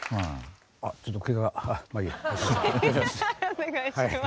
お願いします。